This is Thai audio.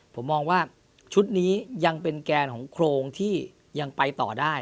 ผมมองว่าชุดนี้ยังเป็นแกนของโครงที่ยังไปต่อได้